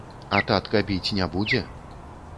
А татка біць не будзе?